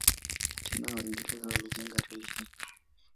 Hatimae Waingereza waliijenga reli hii